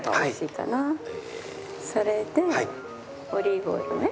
それでオリーブオイルね。